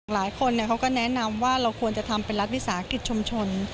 หลายคนเขาก็แนะนำว่าเราควรจะทำเป็นรัฐวิสาหกิจชุมชน